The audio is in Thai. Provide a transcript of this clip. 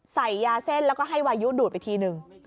ใส่ยาเส้นแล้วก็ให้วายุดูดไปทีหนึ่ง